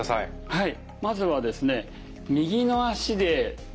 はい。